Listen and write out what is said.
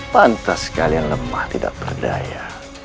pantas kalian lemah tidak berdaya